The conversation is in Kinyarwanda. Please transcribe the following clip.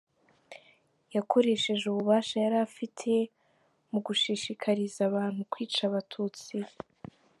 Yakoresheje ububasha yari afite mu gushishikariza abantu kwica Abatutsi.